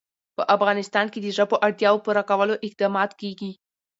په افغانستان کې د ژبو اړتیاوو پوره کولو اقدامات کېږي.